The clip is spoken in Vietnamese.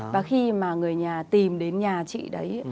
và khi mà người nhà tìm đến nhà chị đấy